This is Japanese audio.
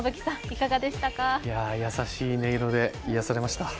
優しい音色で癒やされました。